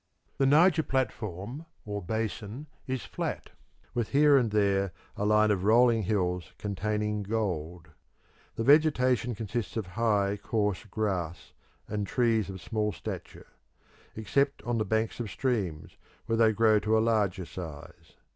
The Niger platform or basin is flat, with here and there a line of rolling hills containing gold. The vegetation consists of high, coarse grass and trees of small stature, except on the banks of streams, where they grow to a larger size.